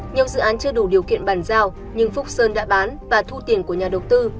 nhiều dự án chưa đủ điều kiện bàn giao nhưng phúc sơn đã bán và thu tiền của nhà đầu tư